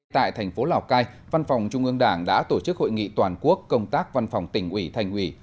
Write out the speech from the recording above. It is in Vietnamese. tại thành phố lào cai văn phòng trung ương đảng đã tổ chức hội nghị toàn quốc công tác văn phòng tỉnh ủy thành ủy